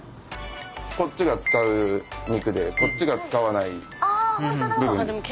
こっちが使う肉でこっちが使わない部分です。